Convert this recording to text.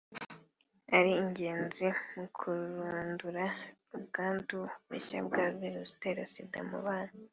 ari ingenzi mu kurandura ubwandu bushya bwa Virusi itera Sida mu bana